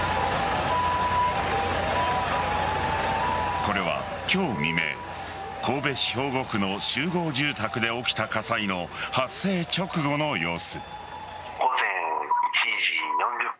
これは今日未明神戸市兵庫区の集合住宅で起きた火災の発生直後の様子。